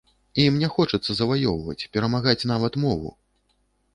Ім не хочацца заваёўваць, перамагаць нават мову!